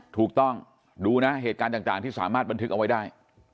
ถูกต้องดูนะเหตุการณ์ต่างที่สามารถบันทึกเอาไว้ได้